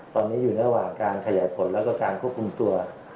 ตอนนี้อยู่ระหว่างการขยายผลแล้วก็การควบคุมตัว